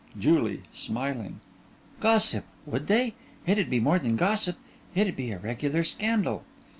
JULIE: (Smiling) Gossip! Would they? It'd be more than gossip it'd be a regular scandal.